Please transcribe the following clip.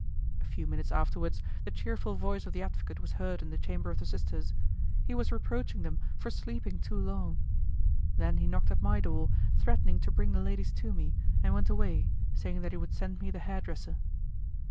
A few minutes afterwards, the cheerful voice of the advocate was heard in the chamber of the sisters; he was reproaching them for sleeping too long! Then he knocked at my door, threatening to bring the ladies to me, and went away, saying that he would send me the hair dresser.